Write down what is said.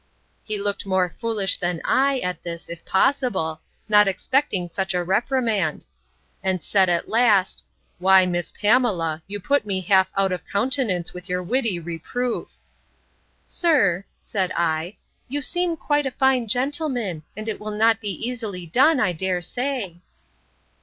He looked more foolish than I, at this, if possible, not expecting such a reprimand.—And said, at last, Why, Mrs. Pamela, you put me half out of countenance with your witty reproof!—Sir, said I, you seem quite a fine gentleman; and it will not be easily done, I dare say.